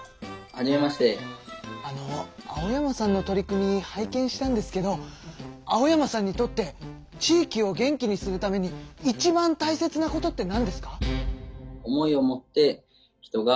あの青山さんの取り組み拝見したんですけど青山さんにとって地域を元気にするためにいちばんたいせつなことってなんですか？